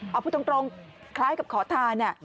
เอาพูดตรงคล้ายกับขอทาน